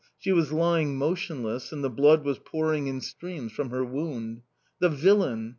She was lying motionless, and the blood was pouring in streams from her wound. The villain!